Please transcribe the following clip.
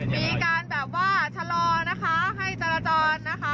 มีการแบบว่าชะลอนะคะให้จรจรนะคะ